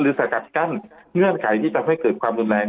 สกัดกั้นเงื่อนไขที่ทำให้เกิดความรุนแรง